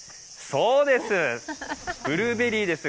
そうです、ブルーベリーです。